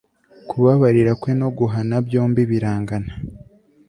kubabarira kwe no guhana, byombi birangana